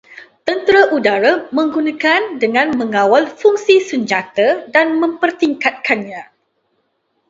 Tentera udara menggunakan dengan mengawal fungsi senjata dan mempertingkatkannya